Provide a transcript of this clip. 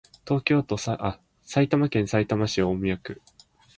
埼玉県さいたま市大宮区